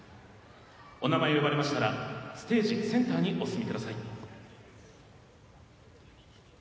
お名前を呼ばれましたらステージセンターへお進みください。